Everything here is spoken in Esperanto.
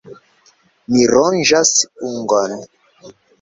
Mi ronĝas ungon.